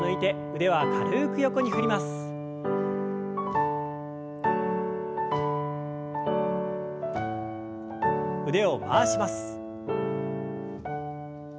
腕を回します。